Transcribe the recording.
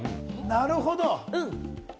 なるほど。